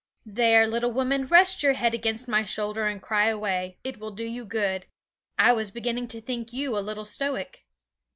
'There, little woman, rest your head against my shoulder and cry away; it will do you good. I was beginning to think you a little stoic.'